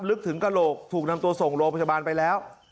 ลึกถึงกระโหลกถูกนำตัวส่งโรงพยาบาลไปแล้ว